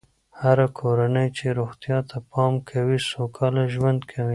هره کورنۍ چې روغتیا ته پام کوي، سوکاله ژوند کوي.